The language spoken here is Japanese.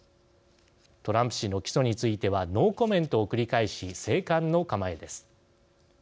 トランプ氏の起訴についてはノーコメントを繰り返し静観の構えです。